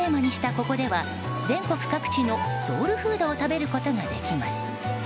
ここでは全国各地のソウルフードを食べることができます。